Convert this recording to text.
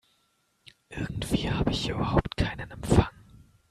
Irgendwie habe ich hier überhaupt keinen Empfang.